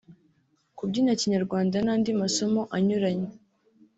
kubyina Kinyarwanda n’andi masomo anyuranye